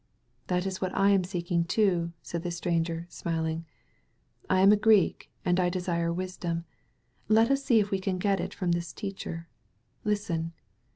''That is what I am seeking, too/* said the stranger, smiling. *'I am a Greek, and I desire wisdom. Let us see if we can get it from this teacher. Listen.